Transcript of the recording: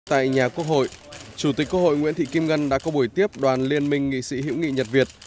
tại nhà quốc hội chủ tịch quốc hội nguyễn thị kim ngân đã có buổi tiếp đoàn liên minh nghị sĩ hữu nghị nhật việt